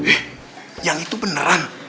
eh yang itu beneran